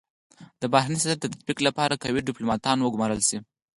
د بهرني سیاست د تطبیق لپاره قوي ډيپلوماتان و ګمارل سي.